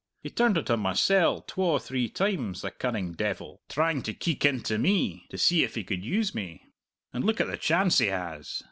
He turned it on mysell twa three times, the cunning devil, trying to keek into me, to see if he could use me. And look at the chance he has!